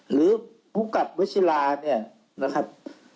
หรือผู้กับวชิลาเนี่ยนะครับ